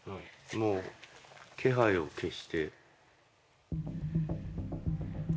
もう気配を消して。